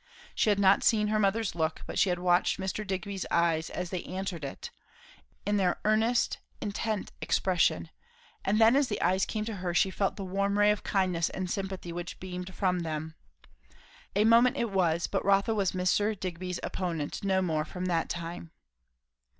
She had not seen her mother's look; but she had watched Mr. Digby's eyes as they answered it, in their ear nest, intent expression, and then as the eyes came to her she felt the warm ray of kindness and sympathy which beamed from them. A moment it was, but Rotha was Mr. Digby's opponent no more from that time.